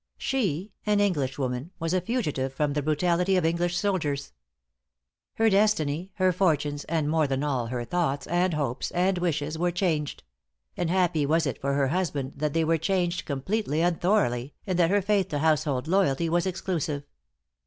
She, an Englishwoman, was a fugitive from the brutality of English soldiers. Her destiny, her fortunes, and more than all, her thoughts, and hopes, and wishes, were changed; and happy was it for her husband that they were changed completely and thoroughly, and that her faith to household loyalty was exclusive.